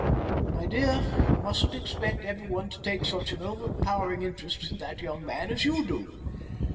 "My dear, you mustn't expect everyone to take such an overpowering interest in that young man as you do."